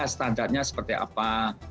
standarnya seperti apa